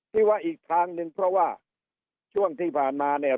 ที่ว่าอีกทางหนึ่งเพราะว่าช่วงที่ผ่านมาเนี่ย